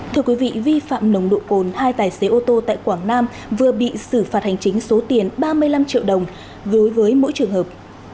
thưa quý vị vi phạm nồng độ cồn hai tài xế ô tô tại quảng nam vừa bị xử phạt hành chính số tiền ba mươi năm triệu đồng đối với mỗi trường hợp